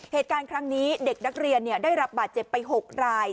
เหตุการณ์ครั้งนี้เด็กนักเรียนได้รับบาดเจ็บไป๖ราย